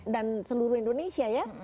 dan seluruh indonesia ya